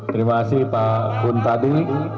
terima kasih pak kuntadi